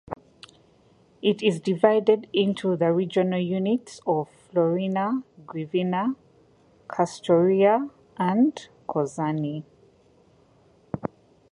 It is divided into the regional units of Florina, Grevena, Kastoria, and Kozani.